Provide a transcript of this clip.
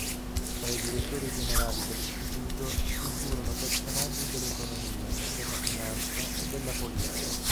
Tra i direttori generali dell'istituto vi furono personaggi dell'economia, della finanza e della politica.